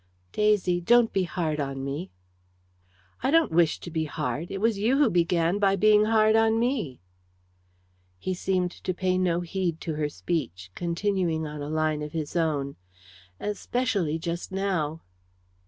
"Daisy, don't be hard on me." "I don't wish to be hard. It was you who began by being hard on me." He seemed to pay no heed to her speech, continuing on a line of his own "Especially just now!"